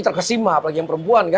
terkesima apalagi yang perempuan